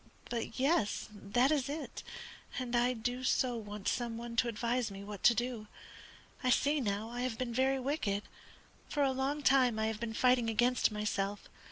But, yes, that is it, and I do so want some one to advise me what to do. I see now I have been very wicked. For a long time I have been fighting against myself.